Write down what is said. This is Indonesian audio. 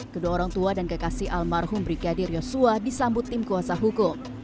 kedua orang tua dan kekasih almarhum brigadir yosua disambut tim kuasa hukum